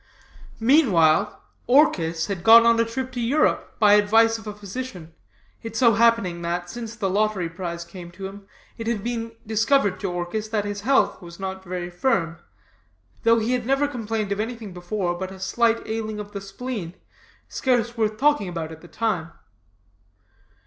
"Meanwhile, Orchis had gone on a trip to Europe by advice of a physician; it so happening that, since the lottery prize came to him, it had been discovered to Orchis that his health was not very firm, though he had never complained of anything before but a slight ailing of the spleen, scarce worth talking about at the time.